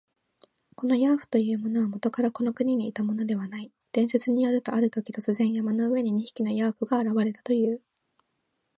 このヤーフというものは、もとからこの国にいたものではない。伝説によると、あるとき、突然、山の上に二匹のヤーフが現れたという。